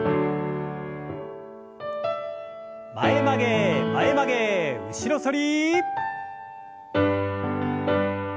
前曲げ前曲げ後ろ反り。